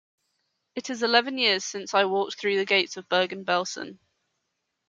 It is eleven years since I walked through the gates of Bergen Belsen.